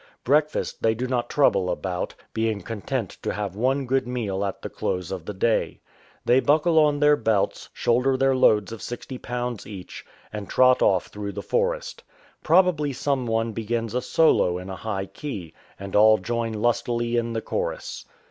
Breakfast they do not trouble about, being content to have one good meal at the close of the day. They buckle on their belts, shoulder their loads of 60 lb. each, and trot off through the forest. Probably some one begins a solo in a high key, and all join lustily in the chorus.